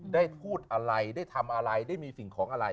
ได้พูดอะไรได้ทำอะไรได้มีสิ่งของอะไร